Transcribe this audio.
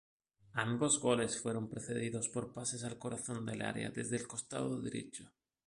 Ambos goles fueron precedidos por pases al corazón del área, desde el costado derecho.